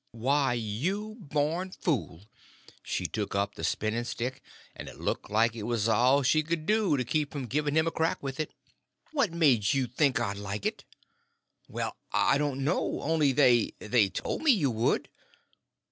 "Why, you born fool!" She took up the spinning stick, and it looked like it was all she could do to keep from giving him a crack with it. "What made you think I'd like it?" "Well, I don't know. Only, they—they—told me you would."